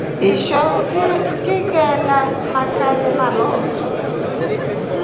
Ishoo nʼgielya mangʼande maloosu.